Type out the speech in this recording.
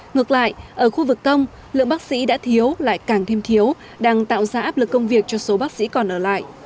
ngược lại ở khu vực công lượng bác sĩ đã thiếu lại càng thêm thiếu đang tạo ra áp lực công việc cho số bác sĩ còn ở lại